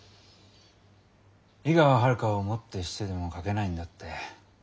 井川遥をもってしてでも書けないんだって